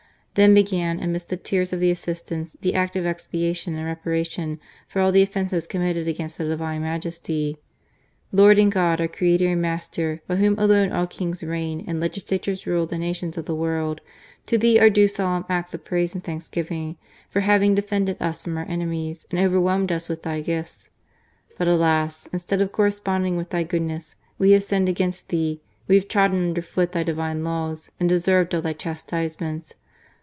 Then began, amidst the tears of the assistants, the Act of Expiation and Reparation for all the offences committed against the Divine Majesty. " Lord and God, our Creator and Master, by Whom alone all kings reign and legislators rule the nations of the world, to Thee are due solemn acts of praise and thanksgiving for having defended us from our enemies and overwhelmed us with Thy gifts. But alas! instead of corresponding with Thy good ness, we have sinned against Thee, we have trodden under foot Thy Divine Laws, and deserved all Thy chastisements.